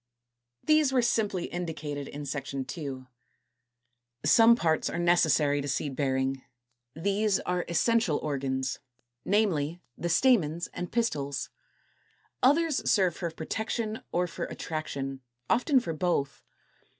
228. These were simply indicated in Section II. 16. Some parts are necessary to seed bearing; these are Essential Organs, namely, the Stamens and Pistils. Others serve for protection or for attraction, often for both.